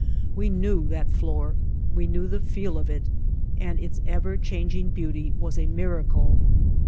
We knew that floor, we knew the feel of it, and its ever changing beauty was a miracle.